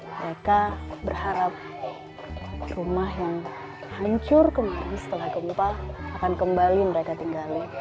mereka berharap rumah yang hancur kemarin setelah gempa akan kembali mereka tinggali